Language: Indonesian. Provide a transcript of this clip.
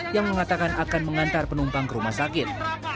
yang mengatakan akan mengantar penumpang ke rumah sakit